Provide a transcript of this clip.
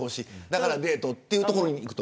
だからデートというところにいく。